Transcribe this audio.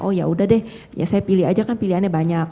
oh yaudah deh ya saya pilih aja kan pilihannya banyak